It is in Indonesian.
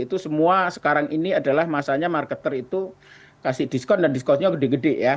itu semua sekarang ini adalah masanya marketer itu kasih diskon dan diskonnya gede gede ya